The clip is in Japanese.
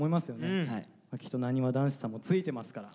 きっとなにわ男子さんもついてますから。